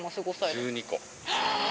１２個。